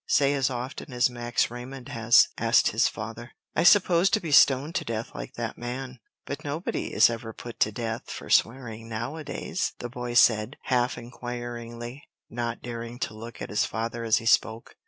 say as often as Max Raymond has?" asked his father. "I suppose to be stoned to death like that man. But nobody is ever put to death for swearing nowadays?" the boy said, half inquiringly, not daring to look at his father as he spoke.